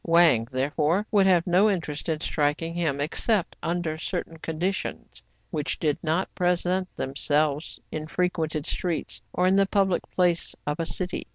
Wang, therefore, would have no interest in striking him, except under certain conditions, which did not present themselves in frequented streets or in the public place of a city.